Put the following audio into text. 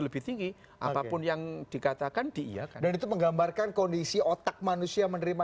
lebih tinggi apapun yang dikatakan diiakan dan itu menggambarkan kondisi otak manusia menerima